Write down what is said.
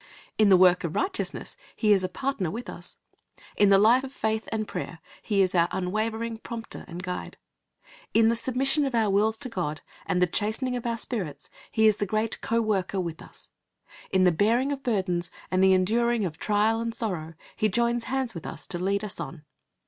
In the work of righteousness He is a Partner with us. In the life of faith and prayer He is our unwavering Prompter and Guide. In the submission of our wills to God and the chastening of our spirits He is the great Co worker with us. In the bearing of burdens and the enduring of trial and sorrow He joins hands with us to lead us on.